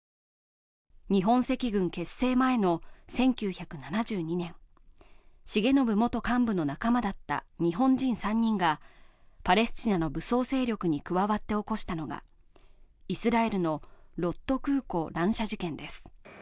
日本赤軍結成前の１９７２年、重信元幹部の仲間だった日本人３人がパレスチナの武装勢力に加わって起こしたのがイスラエルのロッド空港乱射事件です。